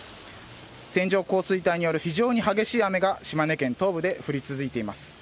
線状降水帯による非常に激しい雨が島根県東部で降り続いています。